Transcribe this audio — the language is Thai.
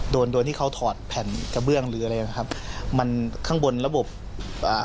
โดนโดนที่เขาถอดแผ่นกระเบื้องหรืออะไรนะครับมันข้างบนระบบอ่า